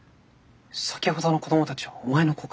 先ほどの子どもたちはお前の子か？